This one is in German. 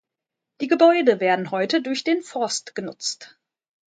Die Gebäude werden heute durch den Forst genutzt.